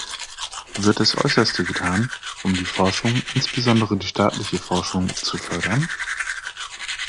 Wird das Äußerste getan, um die Forschung, insbesondere die staatliche Forschung, zu fördern?